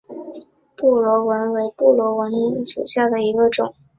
布纹螺为布纹螺科布纹螺属下的一个种。